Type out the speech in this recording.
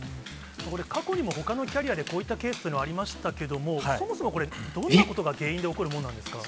これ、過去にも、ほかのキャリアでこういったケースっていうのはありましたけども、そもそも、これ、どんなことが原因で起こるものなんですか。